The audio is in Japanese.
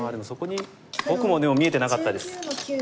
僕もでも見えてなかったです。